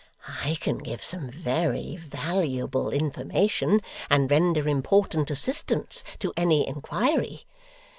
I can give some very valuable information, and render important assistance to any inquiry.